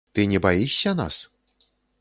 Ты не баішся нас?